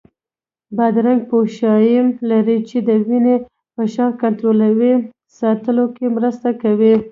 بادرنګ پوتاشیم لري، چې د وینې فشار کنټرول ساتلو کې مرسته کوي.